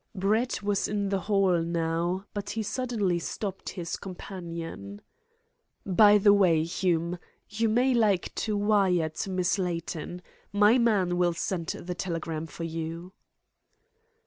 Brett was in the hall now, but he suddenly stopped his companion. "By the way, Hume, you may like to wire to Miss Layton. My man will send the telegram for you."